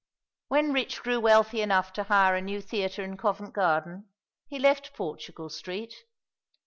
When Rich grew wealthy enough to hire a new theatre in Covent Garden, he left Portugal Street.